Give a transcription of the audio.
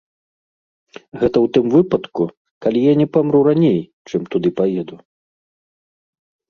Гэта ў тым выпадку, калі я не памру раней, чым туды паеду.